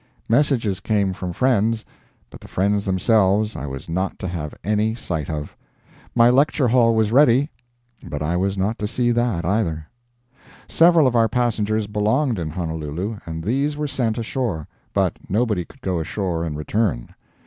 Messages came from friends, but the friends themselves I was not to have any sight of. My lecture hall was ready, but I was not to see that, either. Several of our passengers belonged in Honolulu, and these were sent ashore; but nobody could go ashore and return.